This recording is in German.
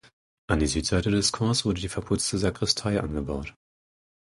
An die Südseite des Chors wurde die verputzte Sakristei angebaut.